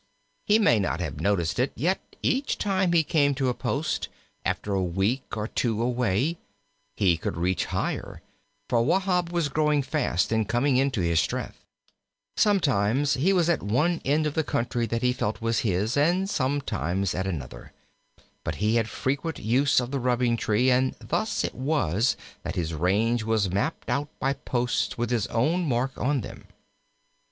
He may not have noticed it, yet each time he came to a post, after a week or two away, he could reach higher, for Wahb was growing fast and coming into his strength. Sometimes he was at one end of the country that he felt was his, and sometimes at another, but he had frequent use for the rubbing tree, and thus it was that his range was mapped out by posts with his own mark on them.